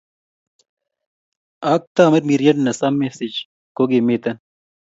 Ak Tamirmiriet nesamisich ko kimiten